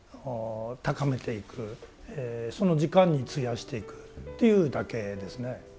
その時間に費やしていくっていうだけですね。